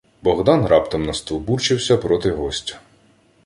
Богдан раптом настовбурчився проти гостя: